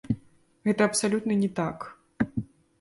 Гэта абсалютна не так.